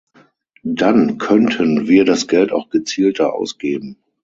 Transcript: Dann könnten wir das Geld auch gezielter ausgeben.